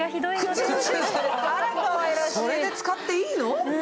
それで使っていいの？